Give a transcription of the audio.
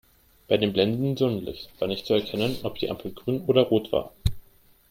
Bei dem blendenden Sonnenlicht war nicht zu erkennen, ob die Ampel grün oder rot war.